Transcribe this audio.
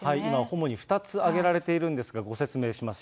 主に２つ挙げられているんですが、ご説明します。